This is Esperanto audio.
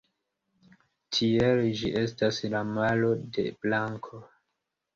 Tiele ĝi estas la malo de blanko.